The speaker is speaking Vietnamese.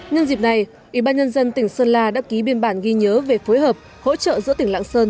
nhân dịp này ủy ban nhân dân tỉnh sơn la đã ký biên bản ghi nhớ về phối hợp hỗ trợ giữa tỉnh lạng sơn